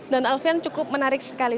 dan alfian cukup menarik sekali